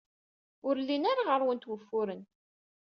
Ur llin ara ɣer-went wufuren.